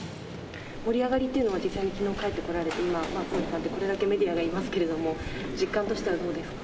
盛り上がりというのは、実際にきのう帰ってこられて、これだけメディアがいますけれども、実感としてはどうですか。